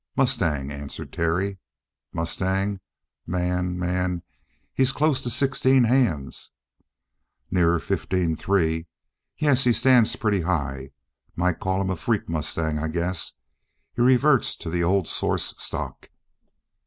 "Mustang," answered Terry. "Mustang? Man, man, he's close to sixteen hands!" "Nearer fifteen three. Yes, he stands pretty high. Might call him a freak mustang, I guess. He reverts to the old source stock."